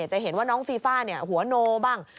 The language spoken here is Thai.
จะเห็นว่าน้องฟีฟ่าหัวโนบ้าง